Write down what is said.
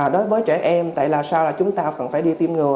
đối với trẻ em tại sao chúng ta cần phải đi tiêm ngừa